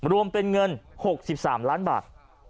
รวมเป็นเงิน๖๓ล้านบาท